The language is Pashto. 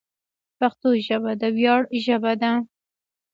پښتو ژبه د ویاړ ژبه ده.